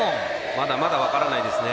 まだまだ分からないですね。